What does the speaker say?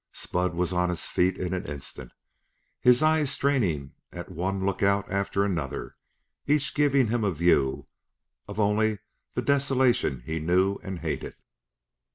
Spud was on his feet in an instant, his eyes straining at one lookout after another, each giving him a view of only the desolation he knew and hated.